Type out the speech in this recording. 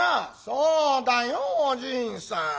「そうだよおじいさん。